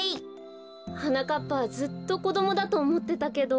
はなかっぱはずっとこどもだとおもってたけど。